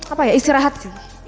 apa ya istirahat sih